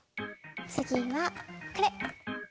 つぎはこれ。